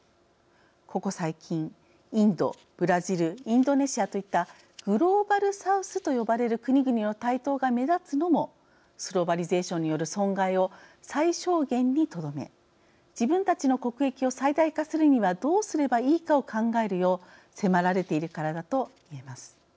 ここ最近、インドブラジル、インドネシアといったグローバルサウスと呼ばれる国々の台頭が目立つのもスローバリゼーションによる損害を最小限にとどめ自分たちの国益を最大化するにはどうすればいいかを考えるよう迫られているからだと言えます。